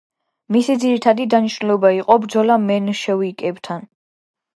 მისი ძირითადი დანიშნულება იყო ბრძოლა მენშევიკებთან.